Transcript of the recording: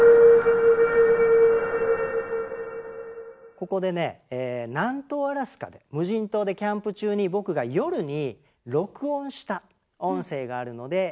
ここでね南東アラスカで無人島でキャンプ中に僕が夜に録音した音声があるので聞いてもらいます。